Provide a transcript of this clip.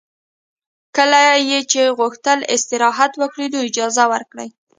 کله یې چې غوښتل استراحت وکړي نو اجازه ورکړئ